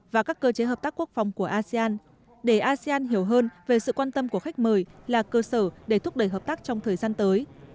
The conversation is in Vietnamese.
và các cơ chế hợp tác quốc phòng của asean để asean hiểu hơn về sự quan tâm của khách mời là cơ sở để thúc đẩy hợp tác trong thời gian tới